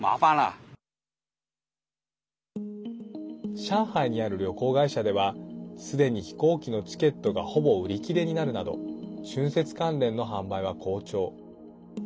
上海にある旅行会社ではすでに飛行機のチケットがほぼ売り切れになるなど春節関連の販売は好調。